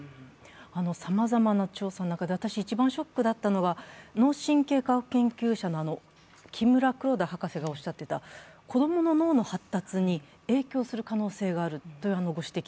さまざまな調査の中で私、一番ショックだったのは脳神経科学研究者の木村−黒田博士がおっしゃっていた子供の脳の発達に影響する可能性があるというご指摘。